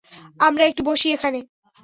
আমরা একটু বসি এখানে।